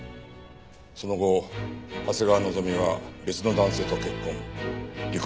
その後長谷川希美は別の男性と結婚離婚。